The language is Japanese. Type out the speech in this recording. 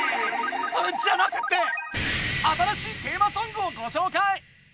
じゃなくて新しいテーマソングをごしょうかい！